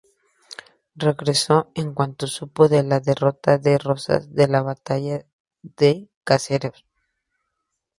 Regresó en cuanto supo de la derrota de Rosas en la batalla de Caseros.